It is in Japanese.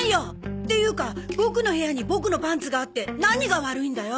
っていうかボクの部屋にボクのパンツがあって何が悪いんだよ！